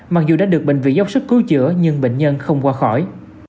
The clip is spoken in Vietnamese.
mặc dù đã được bệnh viện dốc sức cứu chữa nhưng bệnh nhân không qua khỏi